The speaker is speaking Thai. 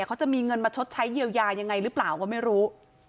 เขาจะมีเงินมาชดใช้เยียวยายังไงหรือเปล่าก็ไม่รู้